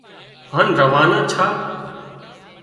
هانَ روانا ڇا